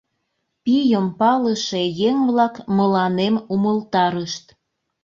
Пийым палыше еҥ-влак мыланем умылтарышт: